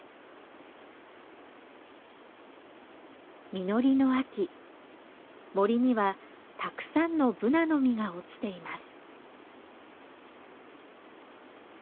実りの秋森にはたくさんのブナの実が落ちています。